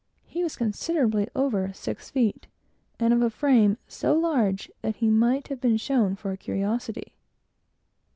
He was considerably over six feet, and of a frame so large that he might have been shown for a curiosity.